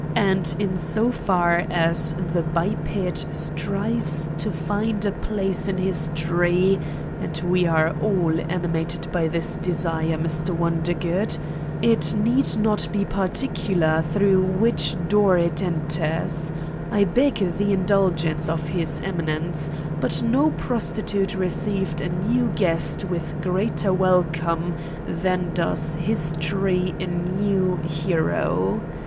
And in so far as the biped strives to find a place in history and we are all animated by this desire, Mr. Wondergood it 259 Satan's Diary need not be particular through which door it enters : I beg the indulgence of His Eminence, but no prostitute received a new guest with greater welcome than does history a new ... hero.